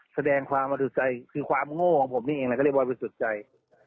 แสดงความว่าคือความโง่ของผมนี่อีกไปทำสุดใจ